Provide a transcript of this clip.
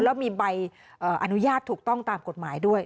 แล้วมีใบอนุญาตถูกต้องตามกฎหมายด้วย